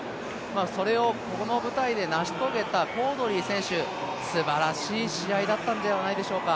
それをここの舞台で成し遂げたコードリー選手素晴らしい試合だったんではないでしょうか。